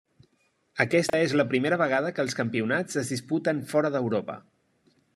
Aquesta és la primera vegada que els Campionats es disputen fora d'Europa.